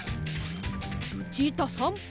ルチータさん